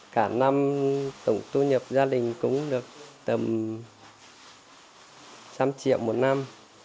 cả năm tổng thu nhập gia đình cũng được tầm một trăm linh triệu một năm